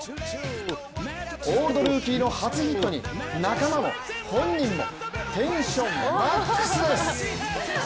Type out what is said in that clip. オールドルーキーの初ヒットに仲間も本人もテンションマックスです。